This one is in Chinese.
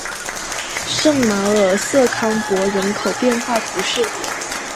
圣马尔瑟康珀人口变化图示